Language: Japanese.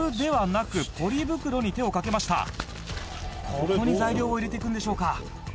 「ここに材料を入れていくんでしょうか？」